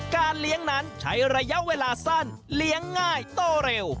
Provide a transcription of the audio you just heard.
การเลี้ยงนั้นใช้ระยะเวลาสั้นเลี้ยงง่ายโตเร็ว